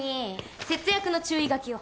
節約の注意書きを。